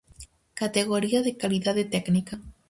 Categoría de calidade técnica: